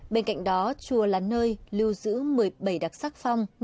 bên cạnh đó chùa là nơi lưu giữ một mươi bảy đặc sắc phong